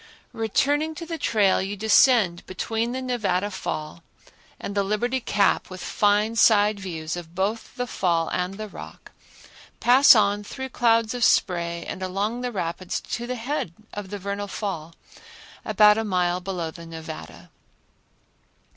Returning to the trail you descend between the Nevada Fall and the Liberty Cap with fine side views of both the fall and the rock, pass on through clouds of spray and along the rapids to the head of the Vernal Fall, about a mile below the Nevada.